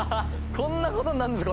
こんな事になるんですか？